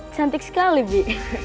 cantik sekali bibi